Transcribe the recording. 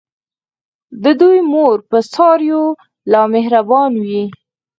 د دوی مور په څارویو لا مهربانه وي.